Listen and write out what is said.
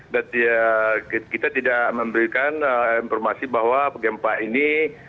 dan kita tidak memberikan informasi bahwa gempa ini